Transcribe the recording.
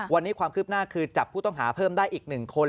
วันนี้ความคืบหน้าคือจับผู้ต้องหาเพิ่มได้อีก๑คน